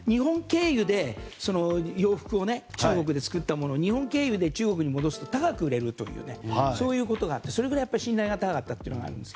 昔、洋服を中国で作ったものを日本経由で中国に戻すと高く売れるというそういうことがあってそれぐらい信頼が高かったということがありますよ。